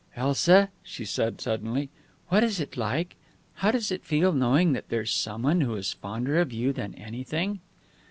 "Elsa," she said, suddenly. "What is it like? How does it feel, knowing that there's someone who is fonder of you than anything